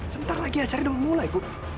sebentar lagi acara udah memulai bu